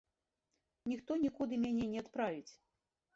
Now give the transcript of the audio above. Ніхто нікуды мяне не адправіць.